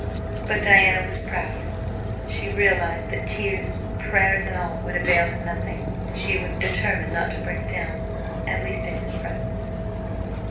But Diana was proud. She realised that tears, prayers and all would avail her nothing, and she was determined not to break down, at least in his presence.